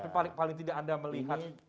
tapi paling tidak anda melihat